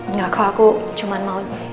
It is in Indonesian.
nggak aku cuma mau